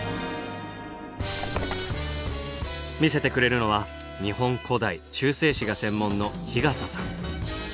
見せてくれるのは日本古代・中世史が専門の笠さん。